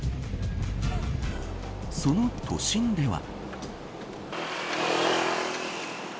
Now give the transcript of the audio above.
その都心では。